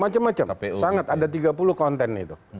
macem macem sangat ada tiga puluh konten itu